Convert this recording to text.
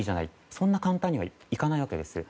そんな簡単にはいかないわけですよ。